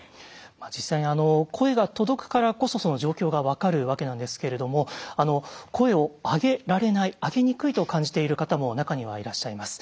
実際に声が届くからこそ状況が分かるわけなんですけれども声を上げられない上げにくいと感じている方も中にはいらっしゃいます。